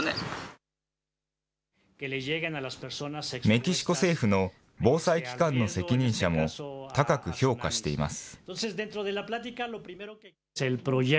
メキシコ政府の防災機関の責任者も、高く評価しています。